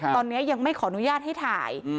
ตอนนี้ยังไม่ขออนุญาตให้ถ่าย